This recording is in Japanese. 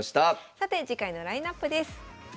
さて次回のラインナップです。